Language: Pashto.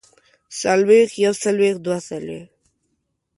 څلوېښت يوڅلوېښت دوه څلوېښت